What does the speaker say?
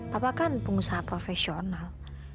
papa kan pengusaha profesional